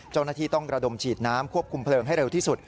เจ้าหน้าที่ต้องระดมฉีดน้ำควบคุมเพลิงให้เร็วที่สุด